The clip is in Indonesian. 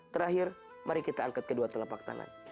terakhir mari kita angkat kedua telapak tangan